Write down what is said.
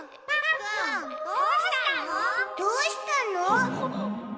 どうしたの？